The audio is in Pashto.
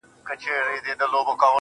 لکه زما زړه، يو داسې بله هم سته,